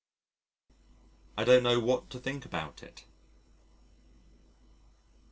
I don't know what to think about it.